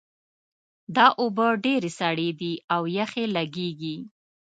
دا اوبه ډېرې سړې دي او یخې لګیږي